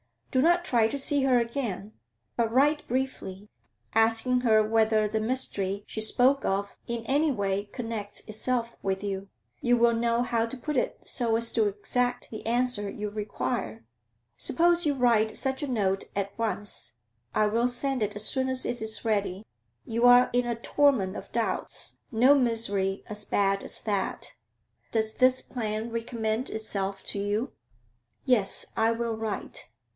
Do not try to see her again, but write briefly, asking her whether the mystery she spoke of in any way connects itself with you. You will know how to put it so as to exact the answer you require. Suppose you write such a note at once; I will send it as soon as it is ready. You are in the torment of doubts; no misery as bad as that. Does this plan recommend itself to you?' 'Yes; I will write.'